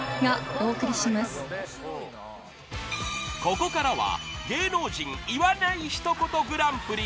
［ここからは芸能人言わない一言ＧＰ延長戦］